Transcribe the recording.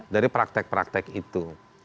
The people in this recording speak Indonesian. dari praktek praktek itu